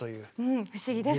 不思議ですね。